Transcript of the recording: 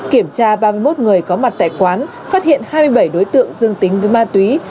kiểm tra ba mươi một người có mặt tại quán phát hiện hai mươi bảy đối tượng dương tính với ma túy